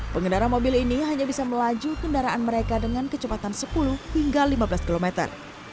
pengendara mobil ini hanya bisa melaju kendaraan mereka dengan kecepatan sepuluh hingga lima belas kilometer